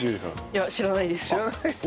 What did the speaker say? いや知らないです。